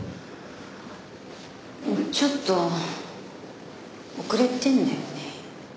ちょっと遅れてるんだよね。